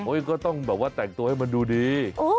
ก็ต้องแบบว่าแต่งตัวให้มันดูดี